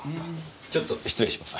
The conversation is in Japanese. ちょっと失礼します。